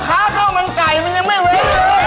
พอค้าก้าวมันไก่มันยังไม่เว้ยเลย